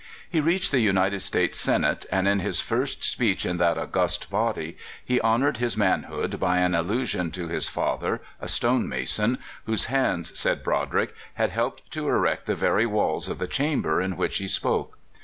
He reached the United States Senate, and in his first speech in that august body he honored his manhood by an allusion to his father, a stone mason, whose hands, said Broderick, had helped to erect the very walls THE CALIFORNIA POLITICIAN. 257 of the chamber in which he spoke.